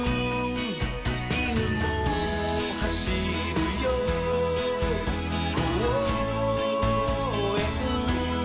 「いぬもはしるよこうえん」